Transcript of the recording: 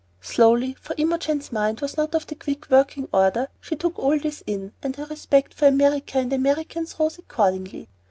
Slowly, for Imogen's mind was not of the quick working order, she took all this in, and her respect for America and Americans rose accordingly.